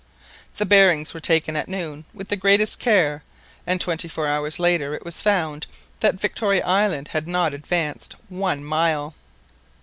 The bearings were taken at noon with the greatest care and twenty four hours later it was found that Victoria Island had not advanced one mile.